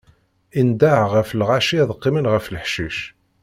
Indeh ɣef lɣaci ad qqimen ɣef leḥcic.